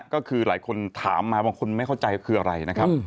ก็คือหลายคนถามมาบางคนไม่เข้าใจว่าคืออะไรนะครับ